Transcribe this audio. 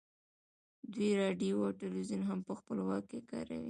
دوی راډیو او ټلویزیون هم په خپل واک کې کاروي